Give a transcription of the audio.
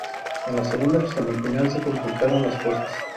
En la segunda semifinal se complicaron las cosas.